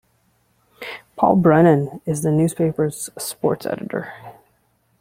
Paul Brennan is the newspaper's sports editor.